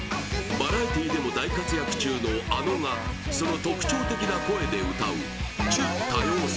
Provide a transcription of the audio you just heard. バラエティーでも大活躍中のａｎｏがその特徴的な声で歌う「ちゅ、多様性。」